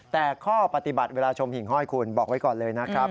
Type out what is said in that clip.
แต่ข้อปฏิบัติเวลาชมหิ่งห้อยคุณบอกไว้ก่อนเลยนะครับ